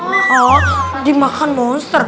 oh dimakan monster